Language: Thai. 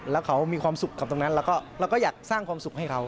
แล้วเขามีความสุขกับตรงนั้นแล้วก็อยากสร้างความสุขให้เขา